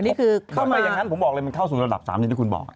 ทำไมอย่างนั้นผมบอกเลยมันเข้าสู่ระดับ๓ที่ที่คุณบอก